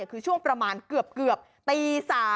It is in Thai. คือช่วงประมาณเกือบตี๓